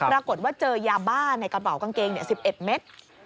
ปรากฏว่าเจอยาบ้าในกระเป๋ากางเกง๑๑เมตร